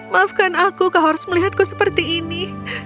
maafkan aku kau harus melihatku seperti ini